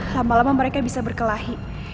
lama lama mereka bisa berkelahi